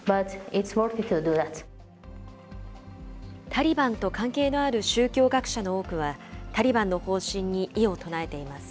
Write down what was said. タリバンと関係のある宗教学者の多くは、タリバンの方針に異を唱えています。